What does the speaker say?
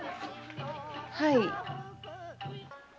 はい？